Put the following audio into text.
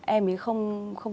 em ấy không